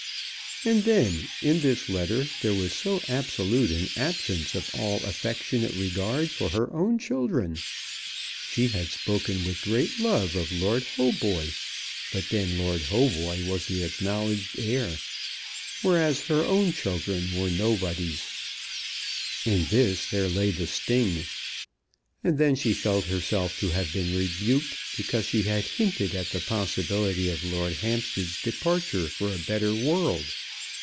And then in this letter there was so absolute an absence of all affectionate regard for her own children! She had spoken with great love of Lord Hautboy; but then Lord Hautboy was the acknowledged heir, whereas her own children were nobodies. In this there lay the sting. And then she felt herself to have been rebuked because she had hinted at the possibility of Lord Hampstead's departure for a better world.